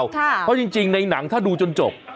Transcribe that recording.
ค่ะคุณธรรมบาค่ะเพราะจริงในหนังถ้าดูจนจบ